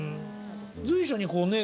随所にこうね